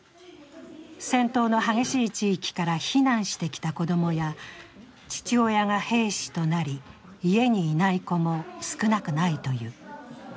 戦闘の激しい地域から避難してきた子供や父親が兵士となり家にいない子も少なくないという。